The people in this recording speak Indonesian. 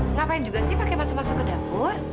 ngapain juga sih pakai masuk masuk ke dapur